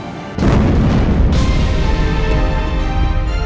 aku akan bertanggung jawab secara penuh